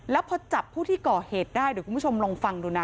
แล้วพอจับผู้ที่ก่อเหตุได้เดี๋ยวคุณผู้ชมลองฟังดูนะ